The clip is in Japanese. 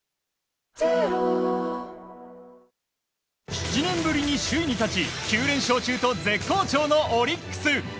７年ぶりに首位に立ち９連勝と絶好調のオリックス。